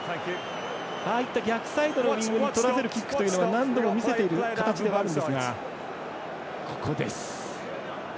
逆サイドのウイングにとらせるキックというのは何度も見せている形ではあるんですが。